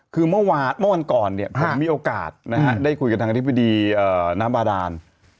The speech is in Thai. คือเมื่อกาวของผมมีโอกาสได้คุยกับทางอธิบดีน้ำบาดาน